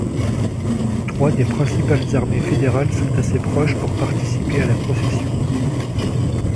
Trois des principales armées fédérales sont assez proches pour participer à la procession.